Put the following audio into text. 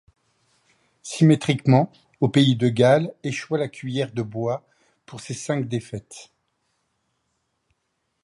Symétriquement, au pays de Galles échoit la Cuillère de bois pour ses cinq défaites..